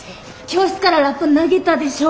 教室からラッパ投げたでしょ。